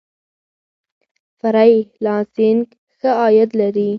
فری لانسینګ ښه عاید لري.